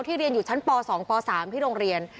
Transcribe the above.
เรียนอยู่ชั้นป๒ป๓ที่โรงเรียน